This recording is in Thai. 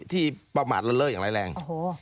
ที่ประมาทเริ่มเลือดอย่างแรง